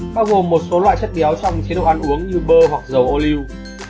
bao gồm một số loại chất béo trong chế độ ăn uống như bơ hoặc dầu ô lưu